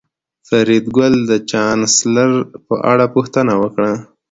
فریدګل د چانسلر په اړه پوښتنه وکړه